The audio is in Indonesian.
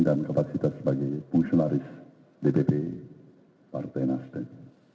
dan kekasih kita sebagai fungsionalis dpp partai nasden